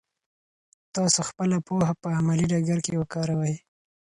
تاسو خپله پوهه په عملي ډګر کې وکاروئ.